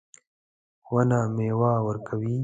ونه میوه ورکوي